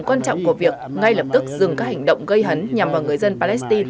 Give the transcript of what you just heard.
quan trọng của việc ngay lập tức dừng các hành động gây hấn nhằm vào người dân palestine